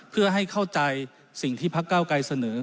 เพื่อให้เข้าใจสิ่งที่พักเก้าไกรเสนอ